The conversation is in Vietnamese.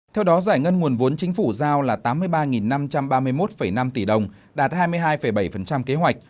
theo đó giải ngân nguồn vốn chính phủ giao là tám mươi ba năm trăm ba mươi một năm tỷ đồng đạt hai mươi hai bảy kế hoạch